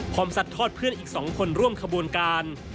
สัดทอดเพื่อนอีก๒คนร่วมขบวนการ